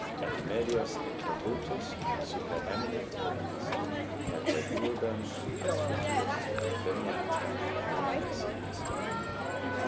Et medios inter vultus supereminet omnes, Perque urbem aspiciunt venientem numinis instar.